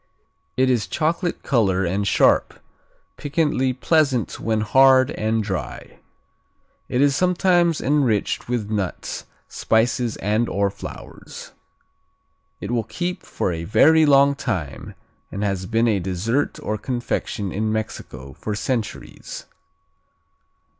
It is chocolate color and sharp, piquantly pleasant when hard and dry. It is sometimes enriched with nuts, spices and/or flowers. It will keep for a very long time and has been a dessert or confection in Mexico for centuries.